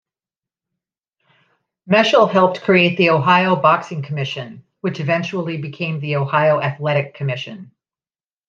Meshel helped create the Ohio Boxing Commission, which eventually became the Ohio Athletic Commission.